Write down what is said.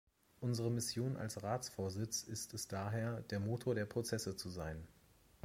Unsere Mission als Ratsvorsitz ist es daher, der Motor der Prozesse zu sein.